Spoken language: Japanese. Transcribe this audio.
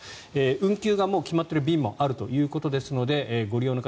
運休が決まっている便もあるということですのでご利用の方